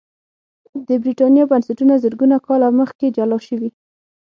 د برېټانیا بنسټونه زرګونه کاله مخکې جلا شوي